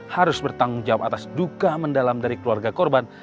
harus bertanggung jawab atas duka mendalam dari keluarga korban